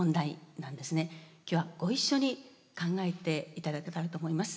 今日はご一緒に考えて頂けたらと思います。